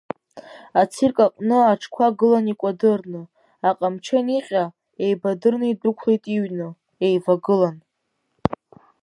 Ацирк аҟны аҽқәа гылан икәадырны, аҟамчы аниҟьа, еибадырны идәықәлеит иҩны, еивагылан.